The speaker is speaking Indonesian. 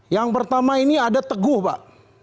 yang pertama ini ada teguh pak